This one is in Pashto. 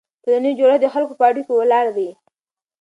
ټولنیز جوړښت د خلکو په اړیکو ولاړ وي.